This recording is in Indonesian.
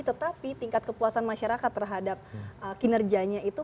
tetapi tingkat kepuasan masyarakat terhadap kinerjanya itu